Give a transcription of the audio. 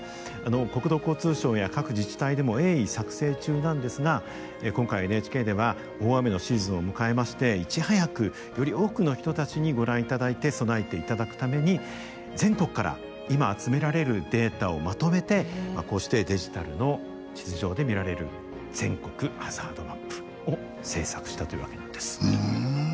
国土交通省や各自治体でも鋭意作成中なんですが今回ＮＨＫでは大雨のシーズンを迎えましていち早くより多くの人たちにご覧いただいて備えていただくために全国から今集められるデータをまとめてこうしてデジタルの地図上で見られる全国ハザードマップを制作したというわけなんです。